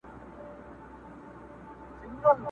یوه ورځ کفن کښ زوی ته ویل ګرانه!.